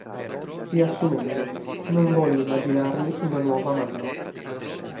Riassumendo: Non volli immaginarmi una nuova mamma.